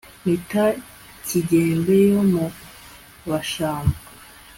Mpita Kigembe yo mu Bashambo